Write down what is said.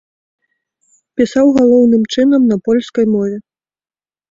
Пісаў галоўным чынам на польскай мове.